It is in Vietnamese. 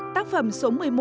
tác phẩm số một mươi một